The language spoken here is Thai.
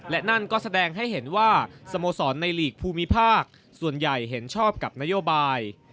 และนั่นก็แสดงให้เห็นว่าสโมสรในหลีกภูมิภาคส่วนใหญ่เห็นชอบกับนโยบาย